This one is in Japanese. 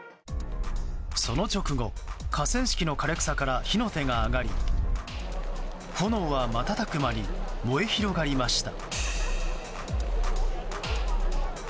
その直後、河川敷の枯れ草から火の手が上がり炎は瞬く間に燃え広がりました。